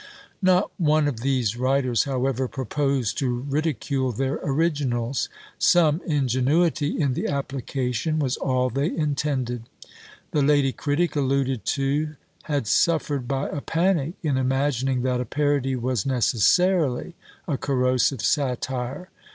Not one of these writers, however, proposed to ridicule their originals; some ingenuity in the application was all they intended. The lady critic alluded to had suffered by a panic, in imagining that a parody was necessarily a corrosive satire.